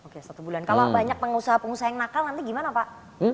kalau banyak pengusaha pengusaha yang nakal nanti gimana pak